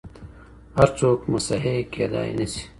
هر څوک مصحح کيدای نشي.